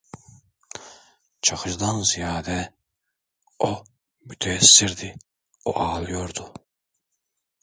Çakıcı’dan ziyade o müteessirdi, o ağlıyordu.